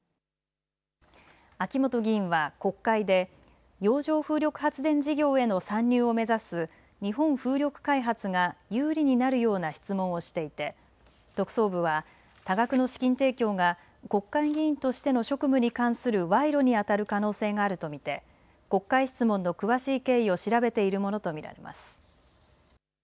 秋本議員は国会で洋上風力発電事業への参入を目指す日本風力開発が有利になるような質問をしていて特捜部は多額の資金提供が国会議員としての職務に関する賄賂にあたる可能性があると見て国会質問の詳しい経緯を調べているものと見られます。